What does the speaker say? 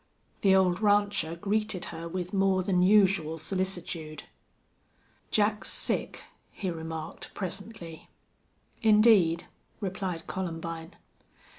The old rancher greeted her with more thar usual solicitude. "Jack's sick," he remarked, presently. "Indeed," replied Columbine.